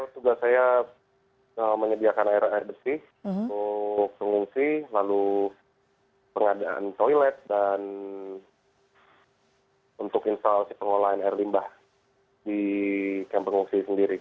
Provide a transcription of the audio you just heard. tugas saya menyediakan air air bersih untuk pengungsi lalu pengadaan toilet dan untuk instalasi pengolahan air limbah di kamp pengungsi sendiri